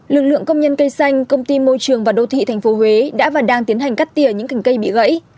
lực lượng công nhân cây xanh công ty môi trường và đô thị thành phố huế đã và đang tiến hành cắt tìa những cành cây bị gãy